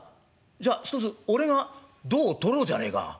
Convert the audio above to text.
じゃあひとつ俺が胴を取ろうじゃねえか」。